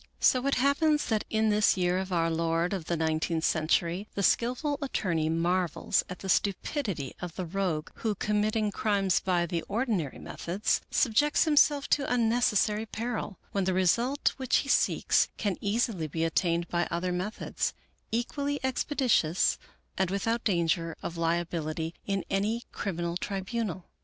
So it happens that in this year of our Lord of the nineteenth century, the skillful attorney marvels at the stupidity of the rogue who, committing crimes by the ordinary methods, subjects himself to unnecessary peril, when the result which he seeks can easily be attained by other methods, equally expeditious and without danger of liability in any criminal tribunal.